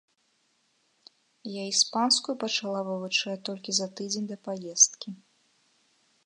Я іспанскую пачала вывучаць толькі за тыдзень да паездкі.